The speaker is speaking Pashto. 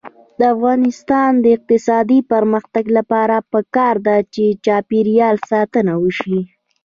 د افغانستان د اقتصادي پرمختګ لپاره پکار ده چې چاپیریال ساتنه وشي.